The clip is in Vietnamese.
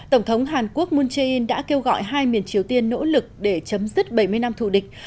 tổng thống hàn quốc moon jae in đã kêu gọi hai miền triều tiên nỗ lực để chấm dứt bảy mươi năm thủ địch